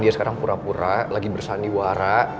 dia sekarang pura pura lagi bersandiwara